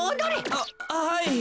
あっはい。